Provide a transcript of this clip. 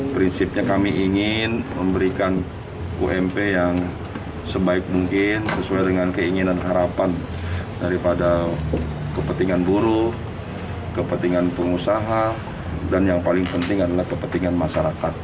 prinsipnya kami ingin memberikan ump yang sebaik mungkin sesuai dengan keinginan harapan daripada kepentingan buruh kepentingan pengusaha dan yang paling penting adalah kepentingan masyarakat